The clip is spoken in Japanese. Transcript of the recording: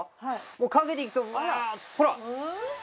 もうかけていくとほら！